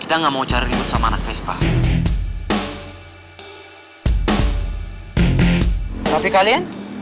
anda mu harus turun hale